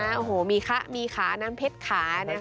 อันนี้มีข้ามีขาน้ำเพชรขา